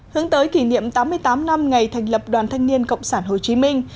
hướng tới kỷ niệm tám mươi tám năm ngày thành lập đoàn thanh niên cộng sản hồ chí minh